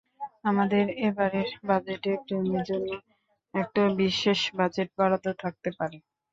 আমাদের এবারের বাজেটে প্রেমের জন্য একটা বিশেষ বাজেট বরাদ্দ থাকতে পারে।